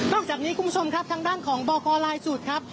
จากนี้คุณผู้ชมครับทางด้านของบคลายสูตรครับ